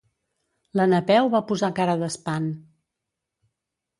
La Napeu va posar cara d'espant.